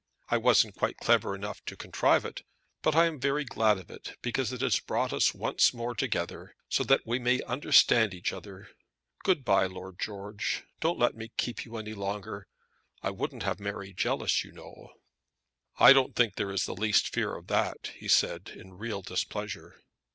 I wasn't quite clever enough to contrive it; but I am very glad of it, because it has brought us once more together, so that we may understand each other. Good bye, Lord George. Don't let me keep you longer now. I wouldn't have Mary jealous, you know." "I don't think there is the least fear of that," he said in real displeasure.